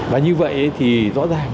và như vậy thì rõ ràng